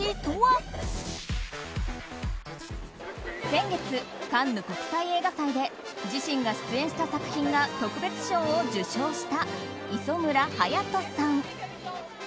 先月、カンヌ国際映画祭で自身が出演した作品が特別賞を受賞した磯村勇斗さん。